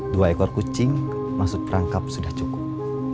dua ekor kucing masuk perangkap sudah cukup